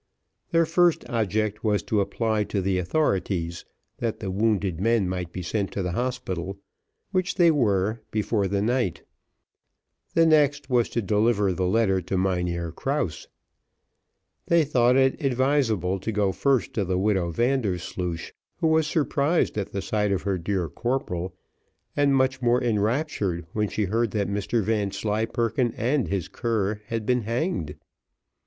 Their first object was to apply to the authorities, that the wounded men might be sent to the hospital, which they were before the night; the next was to deliver the letter to Mynheer Krause. They thought it advisable to go first to the widow Vandersloosh, who was surprised at the sight of her dear corporal, and much more enraptured when she heard that Mr Vanslyperken and his cur had been hanged.